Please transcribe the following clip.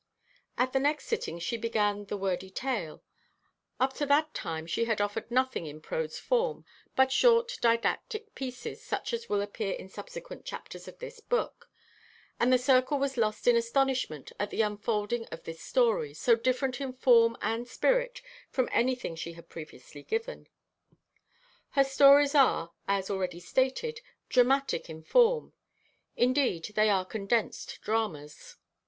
At the next sitting she began the "wordy tale." Up to that time she had offered nothing in prose form but short didactic pieces, such as will appear in subsequent chapters of this book, and the circle was lost in astonishment at the unfolding of this story, so different in form and spirit from anything she had previously given. Her stories are, as already stated, dramatic in form. Indeed they are condensed dramas.